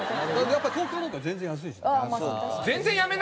やっぱ東京なんかより全然安いしね。